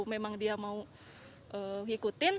memang dia mau ikutin